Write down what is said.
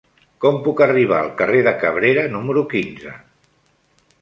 Com puc arribar al carrer de Cabrera número quinze?